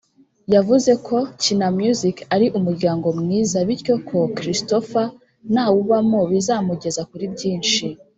yavuze ko Kina Music ‘ari umuryango mwiza bityo ko Christopher nawubamo bizamugeza kuri byinshi’